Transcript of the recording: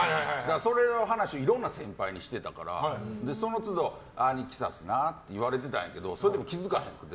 それの話をいろんな先輩にしてたからその都度、アニキサスなって言われてたんですけどその時も気づかへんかって。